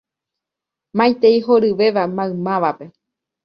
Maitei horyvéva maymávape.